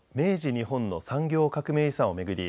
日本の産業革命遺産を巡り